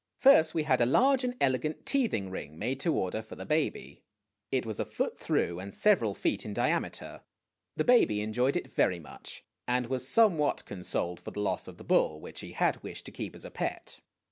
First we had a large and elegant teething ring made to order for the baby. It was a foot through and several feet in diameter. The baby enjoyed it very much, and was somewhat con soled for the loss of the bull, which he had wished to keep as a pet.